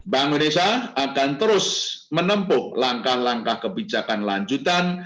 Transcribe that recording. bank indonesia akan terus menempuh langkah langkah kebijakan lanjutan